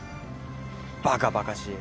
バカバカしい。